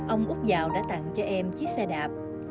ông úc dào đã tặng cho em chiếc xe đạp